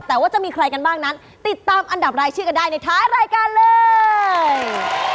แต่ว่าจะมีใครกันบ้างนั้นติดตามอันดับรายชื่อกันได้ในท้ายรายการเลย